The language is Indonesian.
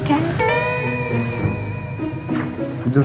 tapi cinta kan